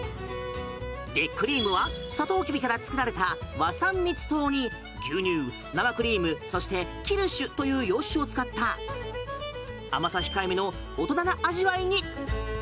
で、クリームはサトウキビから作られた和三蜜糖に牛乳、生クリーム、そしてキルシュという洋酒を使った甘さ控えめの大人な味わいに。